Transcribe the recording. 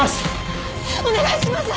お願いします！